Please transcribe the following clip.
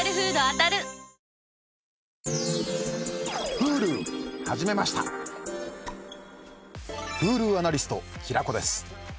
Ｈｕｌｕアナリスト平子です。